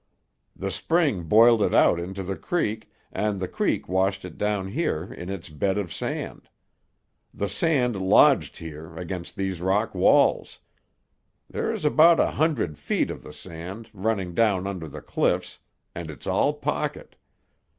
The spring boiled it out into the creek, and the creek washed it down here in its bed of sand. The sand lodged here, against these rock walls. There's about a hundred feet of the sand, running down under the cliffs, and it's all pocket.